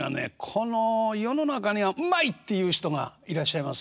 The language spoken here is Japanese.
この世の中には「うまい！」っていう人がいらっしゃいますね。